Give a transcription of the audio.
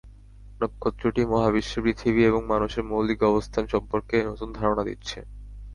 নক্ষত্রটি মহাবিশ্বে পৃথিবী এবং মানুষের মৌলিক অবস্থান সম্পর্কে নতুন ধারণা দিচ্ছে।